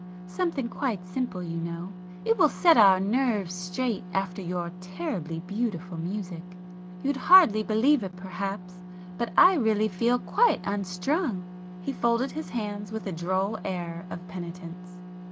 Something quite simple, you know,—it will set our nerves straight after your terribly beautiful music! You'd hardly believe it perhaps,—but I really feel quite unstrung!" He folded his hands with a droll air of penitence.